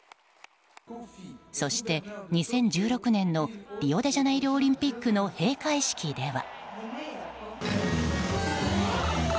そして、２０１６年のリオデジャネイロオリンピックの閉会式では。